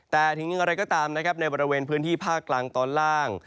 แต่ทิ้งเรื่องอะไรก็ตามในบริเวณพื้นที่ภาคกลางตอนล่าง